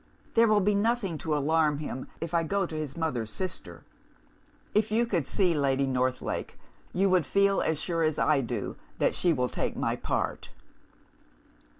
There will be nothing to alarm him, if I go to his mother's sister. If you could see Lady Northlake, you would feel as sure as I do that she will take my part.